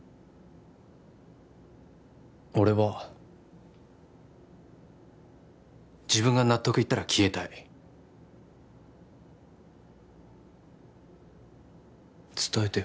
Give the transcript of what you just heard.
俺は自分が納得いったら消えたい伝えてよ